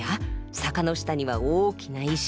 坂の下には大きな石。